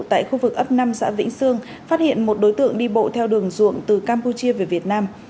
tại khu vực ấp năm xã vĩnh sương phát hiện một đối tượng đi bộ theo đường ruộng từ campuchia về việt nam